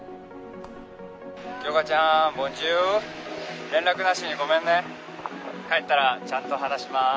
杏花ちゃんボンジュール連絡なしにごめんね帰ったらちゃんと話します